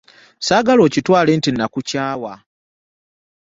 Ssaagala okitwale nti nakukyawa.